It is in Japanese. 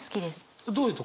どういうところが？